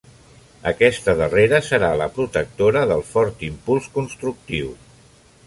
Aquesta darrera serà la protectora del fort impuls constructiu.